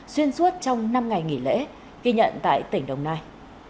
xuyên suốt trong năm ngày nghỉ lễ ghi nhận tại tỉnh đồng nai